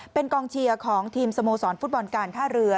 เป็นกองเชียร์ของทีมสโมสรฟุตบอลการท่าเรือ